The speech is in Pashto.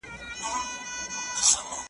تاریخي حافظه لرې